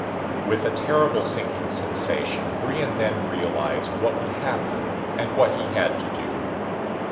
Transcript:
With a terrible sinking sensation Brion then realized what would happen and what he had to do.